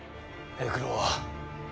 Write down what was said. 平九郎は？